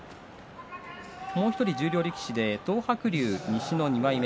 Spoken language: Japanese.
もう１人十両力士の東白龍西の２枚目。